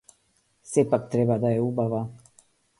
Сепак треба да е убава.